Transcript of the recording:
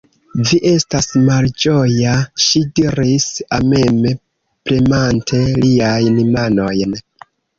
Vi estas malĝoja, ŝi diris, ameme premante liajn manojn.